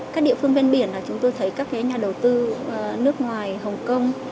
các địa phương ven biển chúng tôi thấy các nhà đầu tư nước ngoài hồng kông